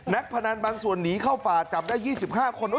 พนันบางส่วนหนีเข้าป่าจับได้๒๕คน